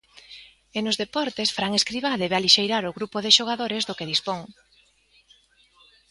E nos deportes, Fran Escribá debe alixeirar o grupo de xogares do que dispón.